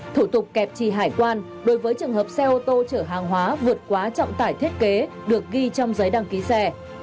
thủ tục kẹp trì hải quan đối với trường hợp xe ô tô chở hàng hóa vượt quá trọng tải thiết kế được ghi trong giấy đăng ký xe